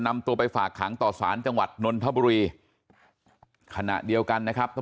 นำตัวไปฝากขังต่อสารจังหวัดนนทบุรีขณะเดียวกันนะครับท่าน